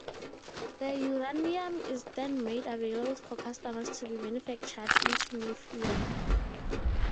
The uranium is then made available for customers to be manufactured into new fuel.